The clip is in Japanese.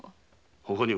他には？